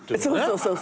そうそう。